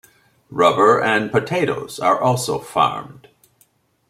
Rubber and potatoes are also farmed.